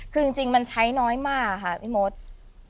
คือจริงมันใช้น้อยมากค่ะพี่มด